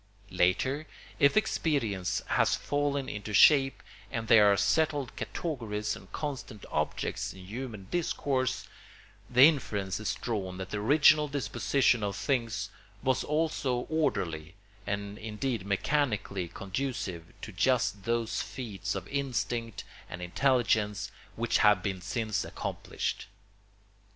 Later, if experience has fallen into shape, and there are settled categories and constant objects in human discourse, the inference is drawn that the original disposition of things was also orderly and indeed mechanically conducive to just those feats of instinct and intelligence which have been since accomplished.